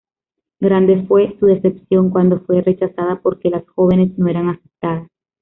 Grande fue su decepción cuando fue rechazada porque las jóvenes no eran aceptadas.